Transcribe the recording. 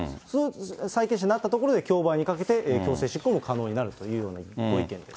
債権者になったところで競売にかけて、強制執行も可能になるというご意見です。